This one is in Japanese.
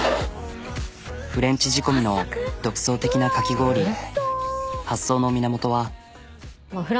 フレンチ仕込みの独創的なかき氷発想の源は。